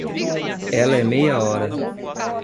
Ela é meia hora.